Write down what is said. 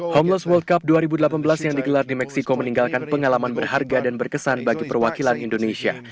homeless world cup dua ribu delapan belas yang digelar di meksiko meninggalkan pengalaman berharga dan berkesan bagi perwakilan indonesia